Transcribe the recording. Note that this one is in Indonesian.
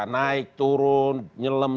naik turun nyelam